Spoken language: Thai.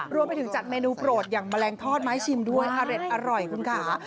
รวมไปถึงจัดเมนูโปรดอย่างแมลงทอดไม้ชิมด้วยอร่อยคุณค่ะ